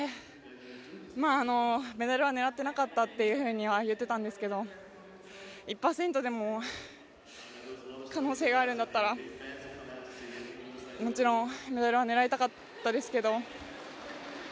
メダルは狙ってなかったっていうふうに言っていたんですけど１％でも可能性があるんだったらもちろんメダルは狙いたかったですけど